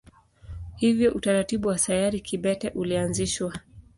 Hivyo utaratibu wa sayari kibete ulianzishwa.